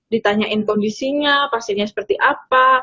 ditanyain kondisinya pasiennya seperti apa